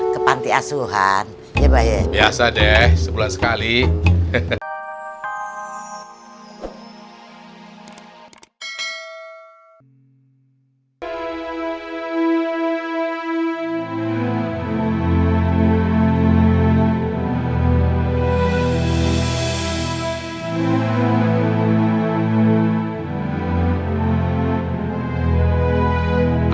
ke panti asuhan ya baik biasa deh sebulan sekali hehehe